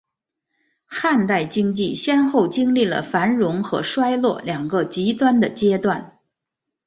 汉代经济先后经历了繁荣和衰落两个极端的阶段。